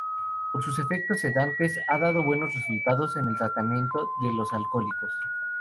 Por sus efectos sedantes ha dado buenos resultados en el tratamiento de los alcohólicos.